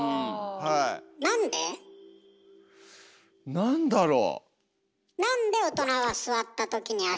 何だろう？